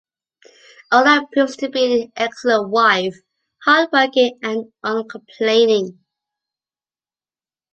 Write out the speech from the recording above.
O-Lan proves to be an excellent wife, hard working and uncomplaining.